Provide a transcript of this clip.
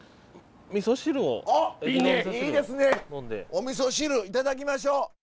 おみそ汁頂きましょう。